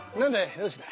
どうした。